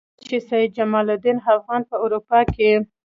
کله چې سید جمال الدین افغاني په اروپا کې.